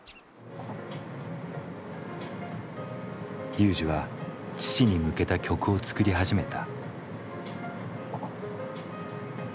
ＲＹＵＪＩは父に向けた曲を作り始めた。